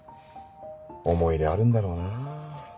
思い入れあるんだろうな。